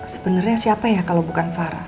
sebenarnya siapa ya kalau bukan farah